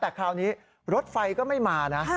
แต่คราวนี้รถไฟก็ไม่มานะ